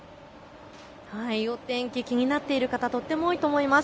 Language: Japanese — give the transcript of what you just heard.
お天気、気になっている方とっても多いと思います。